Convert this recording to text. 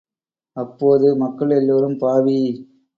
அப்போது மக்கள் எல்லோரும், பாவி!